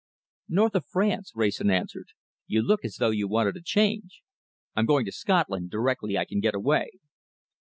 "North of France," Wrayson answered. "You look as though you wanted a change!" "I'm going to Scotland directly I can get away."